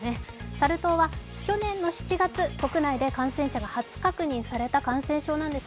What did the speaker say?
サル痘は去年７月国内で感染者が初確認された感染症です